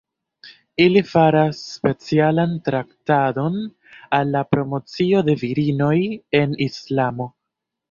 Ili faras specialan traktadon al la promocio de virinoj en Islamo.